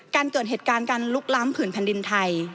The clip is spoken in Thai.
การเกิดเหตุการณ์การลุกล้ำผืนพันธ์ดินไทย